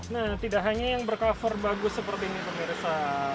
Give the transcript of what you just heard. nah tidak hanya yang bercover bagus seperti ini pemirsa